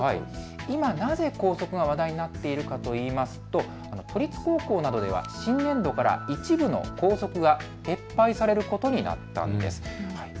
今、なぜ校則が話題になっているかといいますと都立高校などでは新年度から一部の校則が撤廃されることになったんです。